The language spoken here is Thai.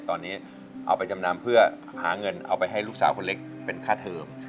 ตอนนี้เอาไปจำนำเพื่อหาเงินเอาไปให้ลูกสาวคนเล็กเป็นค่าเทิม